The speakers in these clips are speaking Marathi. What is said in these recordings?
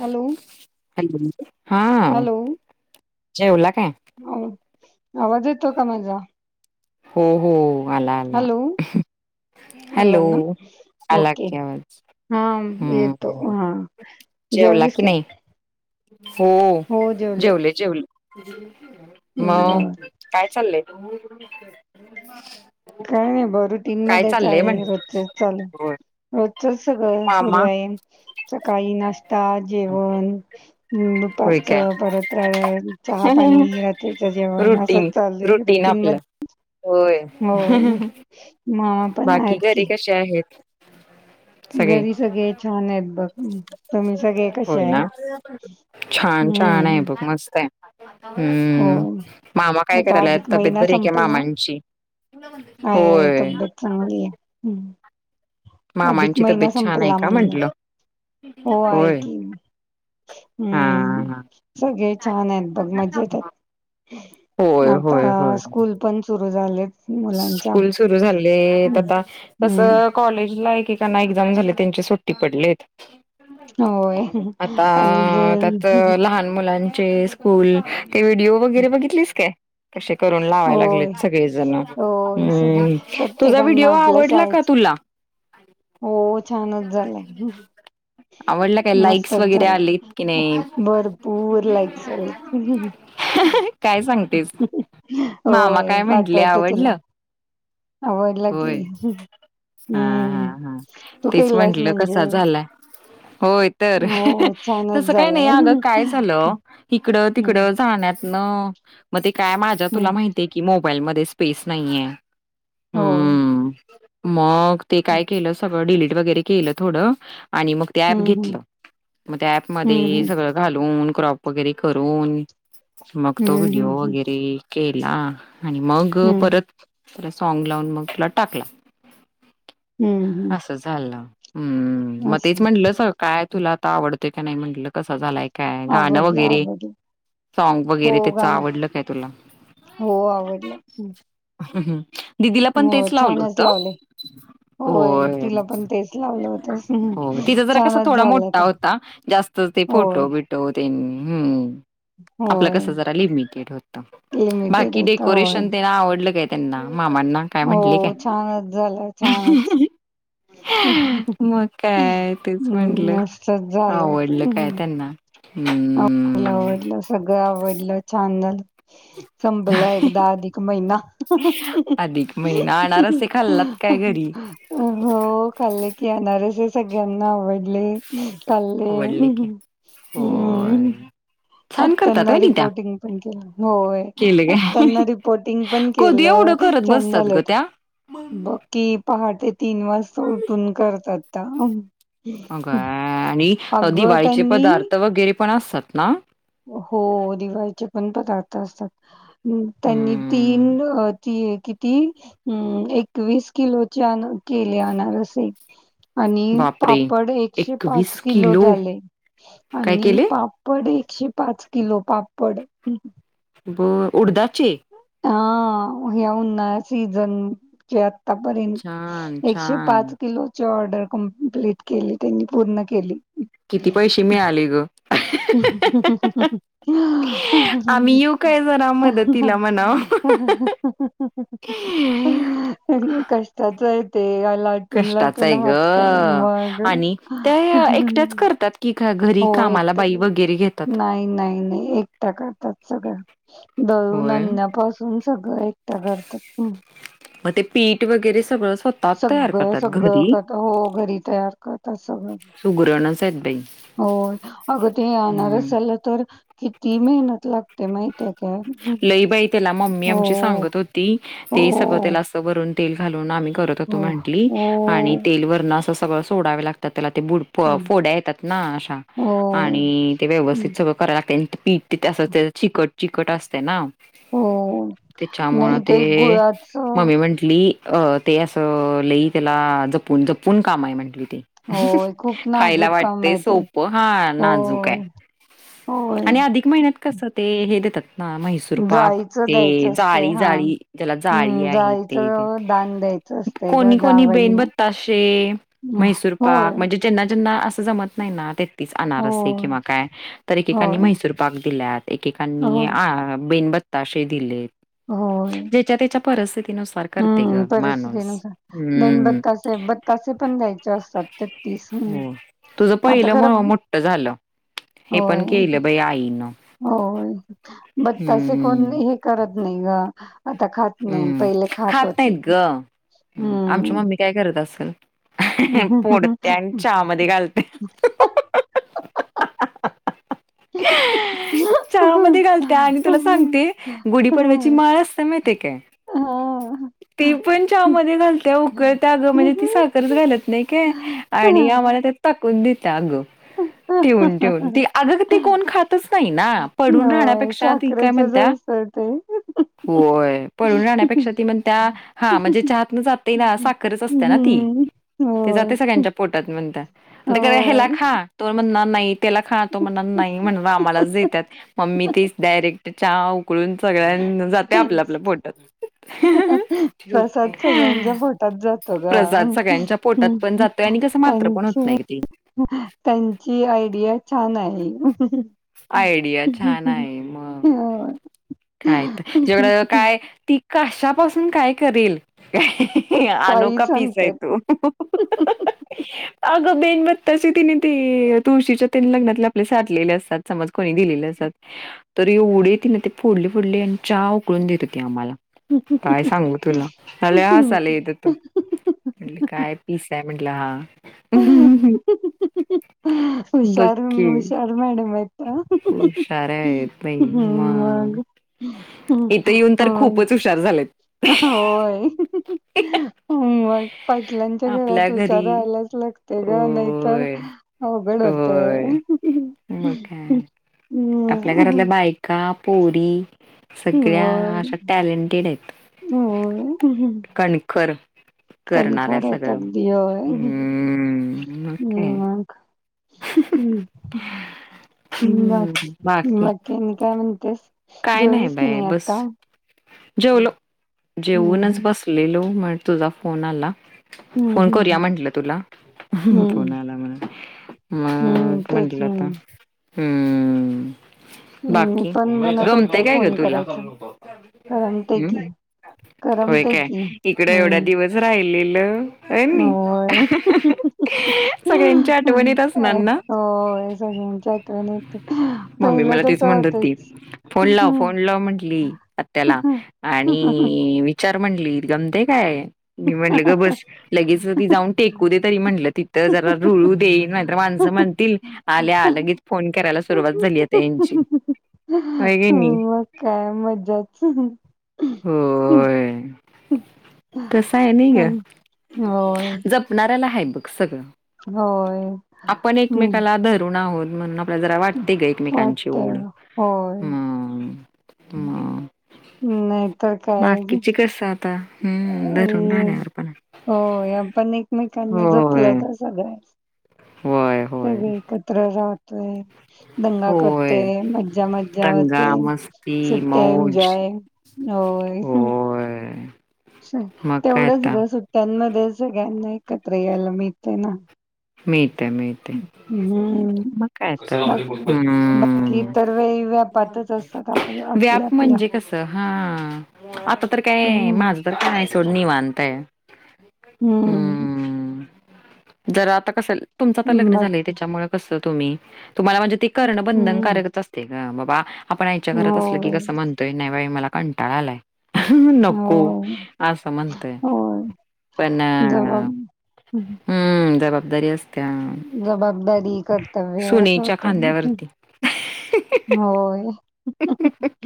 हॅलो हॅलो हा हॅलो जेवला काय? आव- आवाज येतो का माजा? हो हो आला आला. आला हॅलो ना आला ओके कि आवाज. हा हम्म येतो हा जेवला जेवलीस की काय? नाही हो जेवले जेवले. मग बर काय चाललंय? काय नाही ब रुटीन काय मध्येच चाललंय म्हण आहे रोजच चालू. होय रोजचच सगळं सुरू मामा आहे सकाळी नाश्ता, जेवण ह होय काय दुपारचं परत र चहा पाणी रात्रीच जेवण रुटीन असंच चालतय. रू रुटीन टीनम आपलं होय. होय मामा पण बाकी आहेत घरी की. कसे आहेत घरी सगळे छान आहेत बघ. तुम्ही सगळे कसे होय आहे ना छान छान आहे हम्म बघ मस्त आहे. हो हम्म मामा काय आता करायला अधिक तब्येत महिना जरी का संपला मामांची? आहे आहे होय. तब्येत चांगली आहे. हम्म. अधिक मामांची महिना तब्येत छान आहे संपला का म्हणलं म्हंटलं हो आहे होय की मी. हा हम्म सगळे छान आहेत बघ मजेत. हा होय होय आता होय स्कूल पण सुरु झालेत. मुलांच्या स्कूल सुरू झालेत. हम्म आता तस कॉलेजला एक एक त्यांना एक्झाम झाले त्यांची सुट्टी पडलेत. होय आता आणि त्यात ज लहान मुलां चे स्कूल ते व्हिडिओ वगैरे बघितलीस का? कसे करून लावाय होय लागलेत सगळेजण. होय सगळे हम्म. तुझा प्रत्येकांना व्हिडिओ आपल्या आवडला का शाळेच तुला? हो. छानच झालंय. आवडला काय लाईक्स मस्तच वगैरे झालाय. आलेत की नाही भरपूर लाईक्स आलेत. काय सांगतेस. मामा होय काय म्हंटले? पाठवते तुला आवडलं. आवडला की होय. हा हा हम्म हा तू तेच केलास म्हटलं म्हणजे कसा झालाय? [inaudible] होय. तर हो छानच तसं काय नाही झालाय अगं काय हम्म झालं इकडं तिकडं जाण्यात मग ते काय माझ्या तुला हम्म माहितीय की, मोबाईलमध्ये स्पेस नाही आहे. होय. मग ते काय केलं सगळं डिलीट वगैरे केलं थोडं. आणि मग ते ऍप हम्म हम्म घेतलं. मग त्या ऍपमध्ये हम्म सगळं घालून क्रॉप वगैरे करून मग तो हम्म व्हिडिओ हम्म वगैरे केला. आणि मग हम्म परत त्याला साँग लावून मग तुला टाकला. हम्म हम्म असं झालं. हम्म. मग तेच असं म्हटलं काय तुला आता आवड तय काय नाही म्हटलं कसा झालाय? काय गाणं आवडलं वगैरे आवडलं साँग हो वगैरे त्याच गाण आवडलं काय तुला? हो आवडलं. ह ह दिदीला पण हो तेच लावलं छानच होत. लावले होय. तिला पण तेच लावलं होतस हो तिचा जरा कस छानच थोडा झालं मोठा तर होता. जास्त ते होय फोटो बिटो तेन हम्म. आपलं होय कस जरा लिमिटेड होत. लिमिटेड बाकी होत होय डेकोरेशन तेन आवडलं काय? त्यांना मामांना काय हो म्हटले काय? छानच झालं छानच हम्म मग काय तेच म्हटलं. मस्तच झालं होतं. आवडल काय हम्म, त्यांना? हम्म आवडलं. सगळं आवडलं. छान झालं. संपला एकदा अधिक महिना. अधिक महिना अनारसे खाल्लात काय घरी? हो खाल्ले की, अनारसे सगळ्यांना आवडले. खाल्ले. आवडले की होय हम्म. छान करतात आत्याना होय नी त्या रिपोर्टिंग पण केलं. होय, केले काय आत्याना रिपोर्टिंग पण कधी केलं. एवढं हो करत छान बसतात झालं ग होत. त्या बघ की, पहाटे तीन वाजता उठून करतात त्या. अगं आणि अगं दिवाळीचे त्यांनी पदार्थ वगैरे पण असतात ना. हो दिवाळीचे पण पदार्थ असतात. हम्म त्यांनी हम्म तीन ती किती? एकवीस किलोचे केले अनारसे. आणि बापरे पापड एकशे पाच किलो झाले. काय आणि केले पापड एक एकशे पाच किलो पापड. बर उडदाचे? हा या उन्हाळा सीझनच्यात छान आतापर्यंत एकशे छान पाच किलो ची ऑर्डर कंप्लीट केली. त्यांनी पूर्ण केली. किती पैसे मिळाले ग? [unintelligible] आम्ही येऊ काय जरा मदतीला म्हणाव [unintelligible] कष्टाच आहे ते. लाटून कष्टाच लाटून आहे ग हात काय मग आणि त्या एकट्याच करतात की घरी हो. कामाला बाई नाही, वगैरे घेतात नाही, नाही, एकट करतात सगळं होय नन्यापासून सगळं एकटा करतात. मग ते पीठ वगैरे सगळं स्वतः तयार सगळं, करतात सगळं घरी करता हो घरी तयार कर त्या सगळं. सुगरणच आहेत बाई हो अग ते हम्म अनारसेला तर किती मेहनत लागते माहि ती का? हं. लई बाई त्याला मम्मी हो आमची सांगत होती, हो ते सगळं त्याला असं भरून तेल घालून आम्ही करत होत हो म्हंटली, आणि तेल वरणं अस सगळं सोडावे लागतात. त्याला ते बुड हो फोड्या येतात ना अशा होय. आणि ते हं. व्यवस्थित सगळं करायला लागते आणि पीठ तिथं ते चिकट चिकट असते ना. हो. तेच्यामला नाही ते गुळाचं मम्मी म्हंटली. अ ते असं लेई त्याला जपून जपून काम आहे म्हंटली. होय खूप खायला नाजूक काम वाटतेय आहे ते. सोप हा नाजूक आहे. होय. होय. आणि अधिक महिन्यात कस ते हे देतात. ह म्हैसूर पाक जाळीचं ते द्यायचं असतंय जाळी, हा. जाळी ज्याला जाळी हम्म आहे तेन. जाळीचं दान द्यायचं असतंय ग कोणी कोणी जावईना. बेणबत्ताशे, म्हैसूर होय. पाक म्हणजे जेना जेना अस जमत नाही ना ते ना अनारसे होय. किंवा काय तर एकेक होय. मैसूर पा दिल्यात हो. एकेकांनी आ बेन बत्ताशे दिले. होय. ज्याच्या त्याच्या परिस्थितीनुसार करते हम्म ग माणूस. परिस्थितीनुसार बेन हम्म. बत्ताशे बकासे पण द्यायचे असतात. तीस. हं. हो तुझ आता पहिलं खरं मोठं झालं, हे पण होय. केलं बाई आईनं. होय बत्तशे कोण हम्म. हे करत नाही ग. आता खात नाही, हम्म. पहिले खात होते, नाहीत ग. हम्म. पोडत्या आणि चहा मध्ये घलत्या. चहा मधे घालते आणि तुला सांगते गुढीपडव्याची माळ असते काय? हा. ती पण चहामध्ये घालत उकळत अगं म्हणजे ती साखरच घालत नाही काय? आणि आम्हाला ते ताकून देत अग ठेवून ठेवून ती अग ते कोण खातच नाही ना, पडून होय राहण्यापेक्षा ती काय साखरेचच म्हणत्या असतं ते होय, पडून राहण्यापेक्षा ती म्हणत्या हा, म्हणजे चहातन जातय ना साखरच असते ना ती. हम्म ते होय जाते सगळ्यांच्या पोटात म्हणत्या. [unintelligible] ह्याला होय खा, तो म्हणणार नाही, त्याला खा, तो म्हणणार नाही, म्हणून आम्हालाच देण्यात मम्मी तेच डायरेक्ट चहा उकळून सगळ्यां जाते आपल्या आपल्या पोटात. प्रसाद सगळ्यांच्या पोटात जातो ग प्रसाद सगळ्यांच्या पोटात पण हम्म. जातोय आणि कसं मात्र पण होत त्यांची नाही ग ते. त्यांची आयडिया छान आहे. आयडिया छान आहे, मग. हो काय तर जेवढं काय ती कशापासून काय करेल. काय, काही अनोखा पीस आहे सांगतात. तो. अग बेनबत्ताशी तिने ते तुळशीच्या तीन लग्नातले आपले साठलेले असतात. समज कोणी दिलेले असतात, तर एवढे तिन ते फोडले, फोडले आणि चहा उकळून देत होती आम्हाला. काय सांगू तुला, मला लय हसायला येतं होत. म्हटलं, काय पीस आहे म्हंटलं हा. हुशार, हुशार मॅडम आहेत. त्या. होशार आहेत बाई हम्म म. मग हम्म, इथं येऊन तर होय खूपच हुशार झालेत. होय, मग पाटलांच्या घरात आपल्या घरी हुशारा आलाच लग ते ग नाही तर होय अवघड होय. होतेे. मग काय. आपल्या घरातल्या बायका पोरी सगळ्या होय, अशा टॅलेंटेड आहेत. कणखर. करणाऱ्या कनखर आहेत सगळं अगदी होय हम्म मग काय मग. हम्म् बाकी बाकी आणि काय म्हणतेस? काय नाही जेवलीस की बाय बस आता? जेवलो हं, जेवुनच हं. बसलेलो. मग तुझा फोन आला, हं, फोन हं, करूया हं. म्हंटलं तुला. फोन हं, आला म्हणा हं. मग तेच मंटल आता म्हणून. हम्म हं, मी बाकी? पण म्हणत गमते होते काय ग फोन तुला? करायचा. करमते हम्म. की, होय करमते काय की. इकडं एवढा हं, दिवस राहिले होय, सगळ्यांच्या आठवणीत असणार ना होय सगळं च्या आठवणीत, मम्मी पहिलं मला तेच तस म्हणत होती. होतच. फोन लाव फोन लाव म्हटली आत्याला मग आणि विचार म्हणली जमते काय? मी म्हणलं गप बस लगेच जाऊन टेक कुदे तरी म्हटलं तिथं जरा रुळू दे. नाही माणसं म्हणतील आल्यागेच फोन करायला सुरूवात झाली आता यांची होय कणी. काय मज्जाच. होय. तस आहे नाही ग होय, जपणाऱ्याला हाय बघ सगळं. होय. आपण हम्म एकमेकाला धरून आहोत म्हणून आपल्याला जरा वाटते गं एकमेकांची वाटतय ओढ. होय. हम मम. नाहीतर काय बाकीचे कसं आता हम्म धरून अल- राहण्यावर पण आहे. होय पण एकमेकांना होय, जपलं तर सगळ्या होय, होय, सगळी एकत्र राहतोय. दंगा होय. करतोय मज्जा मज्जा दंगा, होते मस्ती, सुटते मौज एन्जॉय. होय. होय. मग काय तेवढंच आता ग सुट्यांमध्ये सगळ्यांना एकत्र यायला मिळते ना. मी येतं मिळतय हम्म मग काय आता बा बाकी हम्म. इतर वेळी व्यापातच असतात आप आपल्या व्याप आपल्या म्हणजे कस हा आता तर काय हम्म माझं तर काय चं सोड निवांत आहे. हम्म. जर आता कस तुमचं आता लग्न बा झालंय त्याच्यामुळे कस तुम्ही तुम्हाला म्हणजे ती करणं हम्म बंधनकारकच असते ग बाबा आपण आयच्या घरात असलं की होय कसं म्हणतोय नाही बाई मला कंटाळालाय. नको होय असं म्हणतोय होय पण हम्म जबाबदारी असत्या जबाबदारी, कर्तव्य असं सुनेच्या होत ना. खांद्यावरती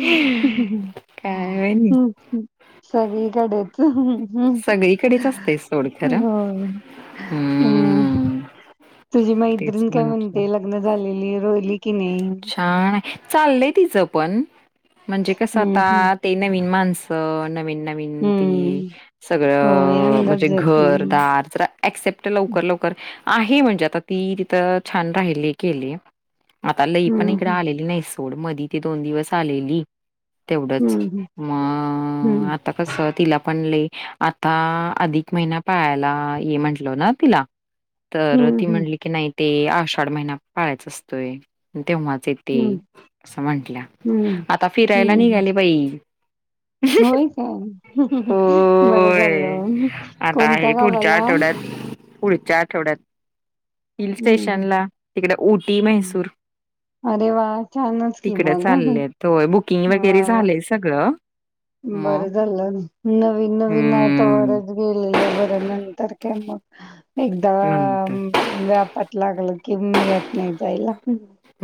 काय होय नी. सगळीकडेच हम्म सगळीकडेच असते सोड खरं होय हम्म. तुझी तेच मैत्रीण काय म्हंटल म्हणते लग्न झालेली रोहिली की नाही. तिच पण म्हणजे कस हम्म हम्म. आता नवीन माणसं नवीन नवीन ती हम्म होय सगळं म्हणजे अंदाज येत नाही. घर-दार जरा क्सेप्ट लवकर लवकर आहे म्हणजे आता ती तिथं छान राहिली केलीये आता लई पण हम्म इकडं आलेली नाही सो ड मध्ये ते दोन दिवस आलेली. तेवढच हम्म. मग हम्म आता कस तिला पण लयी आता अधिक महिना पाळायला ये म्हंटलं ना तिला तर हम्म ती हम्म म्हटली की नाही ते आषाढ महिना पाळायच असतोय तेव्हा ते हम्म असं म्हंटल्या हम्म हम्म. आता फिरायला हम्म निघाले बाई होय काय? बरं होय झालं आता कोणत्या आहे पुढच्या गावाला? आठवड्यात पुढच्या आठवड्यात हिल हम्म स्टेशनला तिकडे ऊटी हम्म म्हैसूर. अरे वा छानच की तिकड मग चाललेत होय बुकिंग वा वगैरे वा. झालंय सगळं. मग बरं झालं नवीन नवीन आहे हम्म तोवरच गेलेलं बरं नंतर काय मग एकदा नंतर व्यापात लागलं की मिळत नाही जायला.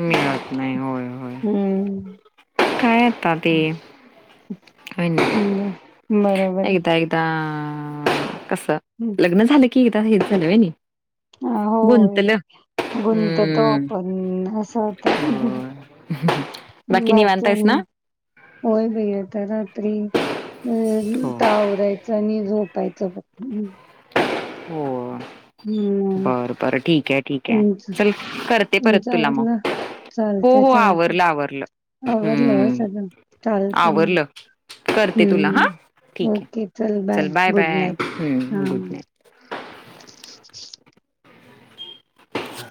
मिळत नाही होय होय हम्म.. काय आता ते हं, बरोबर आहे. एकदा एकदा कस हं, लग्न झाल की एकदा हेच झालं होयनी अ, गुंतल्या होय. गुंततो पण असं होत. होय निवांत बाकी आहेस ना आणि, होय बाई आता तरी हो आवरायचं आणि झोपायचं बघ. हो. हम्म. बर बर ठीक आहे ठीके तुमचं चल करते परत तुमचं तुला मग. आवरलं? हो चालतंय हो चालतंय आवरलं आवरलं आवरलं होय हम्म सगळं? चालतंय मग. आवरलं. करते तुला हा हम्म. ठीक आहे. ओके चल बाय गुड बाय नाईट. ह हां. Good night. [inaudible] हा